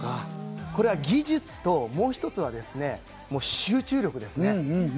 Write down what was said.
これは技術ともう一つは集中力ですね。